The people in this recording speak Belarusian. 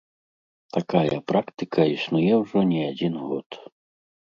Такая практыка існуе ўжо не адзін год.